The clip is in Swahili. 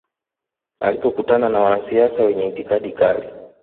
Alipokutana na wanasiasa wenye itikadi kali